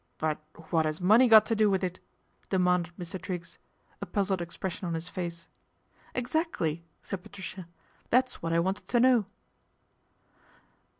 " But what 'as money got to do with it ?" emanded Mr. Triggs, a puzzled expression on his ice. Exactly !" said Patricia. " That's what I ted to know."